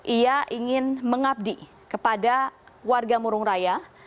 ia ingin mengabdi kepada warga murung raya